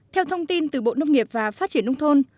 theo thông tin từ bộ nông nghiệp và phát triển nông thôn